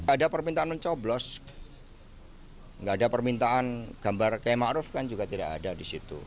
tidak ada permintaan mencoblos tidak ada permintaan gambar kayak maruf kan juga tidak ada di situ